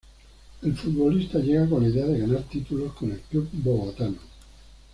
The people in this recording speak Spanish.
El futbolista llega con la idea de ganar títulos con el club bogotano.